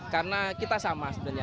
karena kita sama sebenarnya